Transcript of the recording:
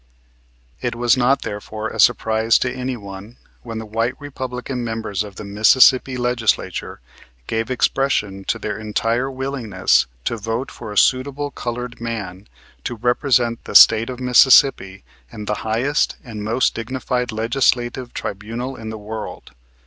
It was not, therefore, a surprise to any one when the white Republican members of the Mississippi Legislature gave expression to their entire willingness to vote for a suitable colored man to represent the state of Mississippi in the highest and most dignified legislative tribunal in the world.